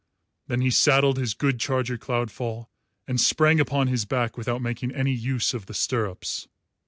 Then he saddled his good charger Cloudfall and sprang upon his back without making any use of the stirrups.